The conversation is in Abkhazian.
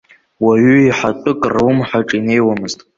Уаҩы иҳәатәык рлымҳаҿ инеиуамызт.